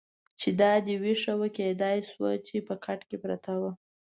چې دا دې وېښه وه، کېدای شوه چې په کټ کې پرته وه.